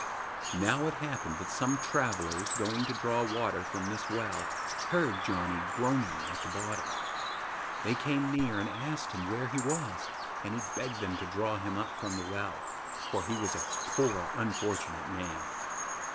Now it happened that some travellers, going to draw water from this well, heard Janni groaning at the bottom. They came near, and asked him where he was, and he begged them to draw him up from the well, for he was a poor unfortunate man.